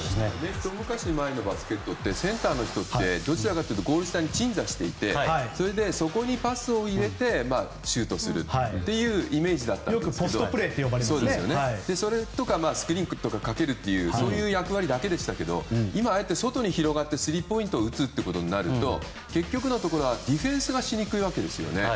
ひと昔前のバスケってセンターの人ってどちらかというとゴール下に鎮座していてそこにパスを入れてシュートするというイメージだったんですがそれとかスクリーンをかけるとかそういう役割でしたが外に広がってスリーポイントを打つということになると結局、ディフェンスがしにくいわけですね。